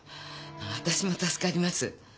私も助かります。